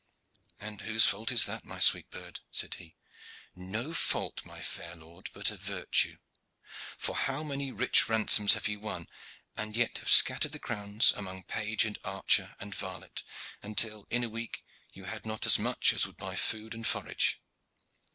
"And whose fault that, my sweet bird?" said he. "No fault, my fair lord, but a virtue: for how many rich ransoms have you won, and yet have scattered the crowns among page and archer and varlet, until in a week you had not as much as would buy food and forage.